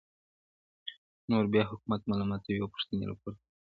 نور بيا حکومت ملامتوي او پوښتني راپورته کوي,